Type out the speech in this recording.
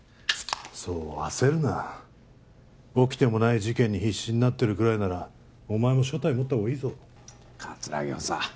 そう焦るな起きてもない事件に必死になってるぐらいならお前も所帯持ったほうがいいぞ葛城補佐